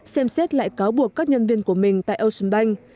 xem xét lại cáo buộc các nhân viên của mình tại ocean bank